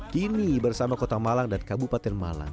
kini bersama kota malang dan kabupaten malang